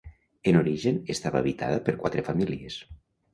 En origen estava habitada per quatre famílies.